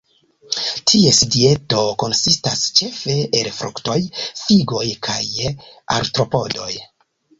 Ties dieto konsistas ĉefe el fruktoj, figoj kaj artropodoj.